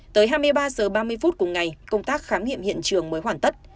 tới hai mươi ba h ba mươi phút cùng ngày công tác khám nghiệm hiện trường mới hoàn tất